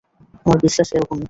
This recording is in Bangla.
আমার বিশ্বাস এরকমই।